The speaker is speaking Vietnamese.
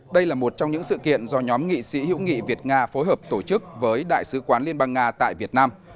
đây là một trong những sự kiện do nhóm nghị sĩ hữu nghị việt nga phối hợp tổ chức với đại sứ quán liên bang nga tại việt nam